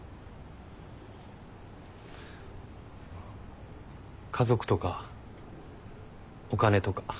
家族とかお金とか。